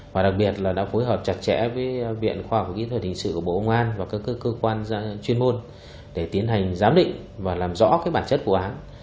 và đặc biệt là đã phối hợp chặt chẽ với viện khoa học kỹ thuật hình sự của bộ công an và các cơ quan chuyên môn để tiến hành giám định và làm rõ bản chất vụ án